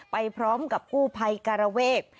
ไปพร้อมกับกู้ภัยการเวก